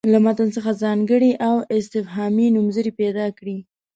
له متن څخه ځانګړي او استفهامي نومځړي پیدا کړي.